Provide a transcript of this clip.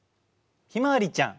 ひまわりちゃん。